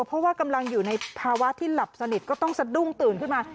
เพราะว่ากำลังอยู่ในภาวะที่หลับสนิทก็ต้องสะดุ้งตื่นขึ้นมา